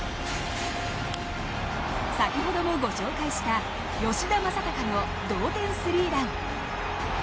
先ほどもご紹介した吉田正尚の同点スリーラン。